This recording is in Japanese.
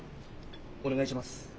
お願いします。